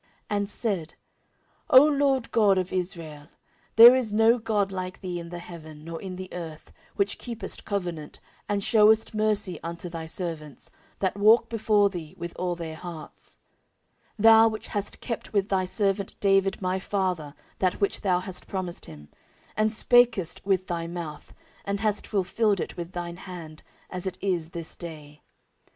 14:006:014 And said, O LORD God of Israel, there is no God like thee in the heaven, nor in the earth; which keepest covenant, and shewest mercy unto thy servants, that walk before thee with all their hearts: 14:006:015 Thou which hast kept with thy servant David my father that which thou hast promised him; and spakest with thy mouth, and hast fulfilled it with thine hand, as it is this day.